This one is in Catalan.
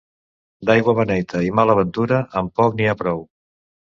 D'aigua beneita i mala ventura, amb poc n'hi ha prou.